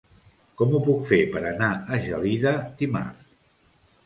Com ho puc fer per anar a Gelida dimarts?